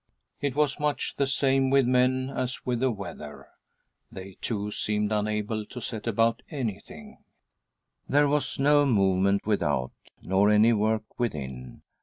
It was much the same with men as with the weather. They, too, seemed unable to set about IM THE ; STORM WITHIN J THE SOUL ir anything. There was no movement without nor any work within.